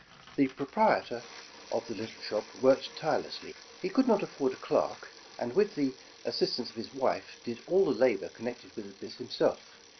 The proprietor of the little shop worked tire lessly. He could not afford a clerk, and with the as sistance of his wife, did all the labor connected with the business himself.